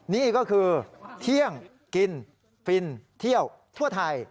นี่ก็คือเที่ยงกินฟินเที่ยวทั่วไทย